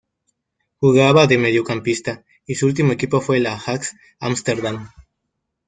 Jugaba de mediocampista y su último equipo fue el Ajax Ámsterdam.